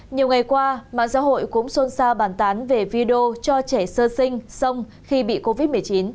nhiều ngày qua mạng xã hội cũng xôn xa bàn tán về video cho trẻ sơ sinh sông khi bị covid một mươi chín